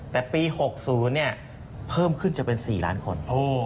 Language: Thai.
แต่ปี๖๐เพิ่มขึ้นจะเป็น๔ล้านคน